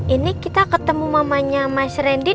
ini kita ketemu mamanya mas randy